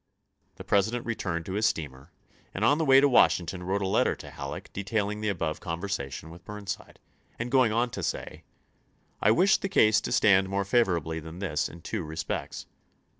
The President returned to his steamer, and on the way to Washington wrote a letter to Halleck detailing the above conversation with Burnside, and going on to say :" I wish the case to stand more favorably than this in two respects.